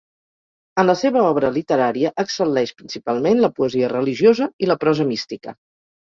En la seva obra literària excel·leix principalment la poesia religiosa i la prosa mística.